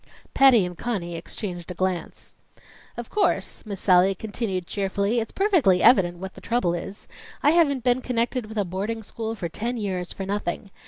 Patty and Conny exchanged a glance. "Of course," Miss Sallie continued cheerfully, "it's perfectly evident what the trouble is. I haven't been connected with a boarding school for ten years for nothing.